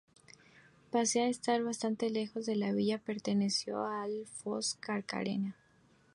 Pese a estar bastante lejos de la Villa, perteneció al Alfoz de Caracena.